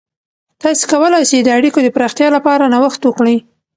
تاسې کولای سئ د اړیکو د پراختیا لپاره نوښت وکړئ.